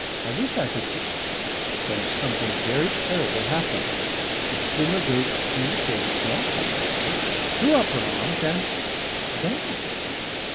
I wish I could see " when something very terrible happened. The swimmer gave a queer sort of flop in the water, threw up her arms and vanished!